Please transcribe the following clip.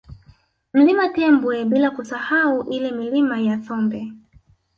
Mlima Tembwe bila kusahau ile Milima ya Thombe